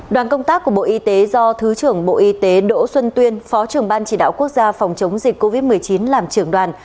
đoàn công tác của bộ y tế do thứ trưởng bộ y tế đỗ xuân tuyên phó trưởng ban chỉ đạo quốc gia phòng chống dịch covid một mươi chín làm trưởng đoàn